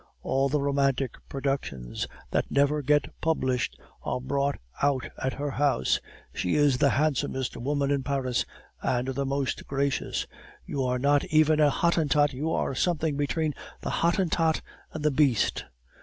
All the romantic productions that never get published are brought out at her house; she is the handsomest woman in Paris, and the most gracious! You are not even a Hottentot; you are something between the Hottentot and the beast....